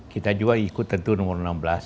kita juga ikut tentu nomor enam belas